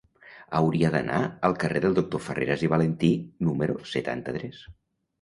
Hauria d'anar al carrer del Doctor Farreras i Valentí número setanta-tres.